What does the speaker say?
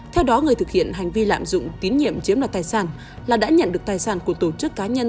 theo đó người thực hiện hành vi lạm dụng tín nhiệm chiếm đoạt tài sản là đã nhận được tài sản của tổ chức cá nhân